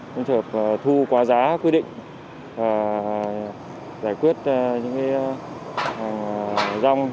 những trường hợp thu quá giá quy định giải quyết những rong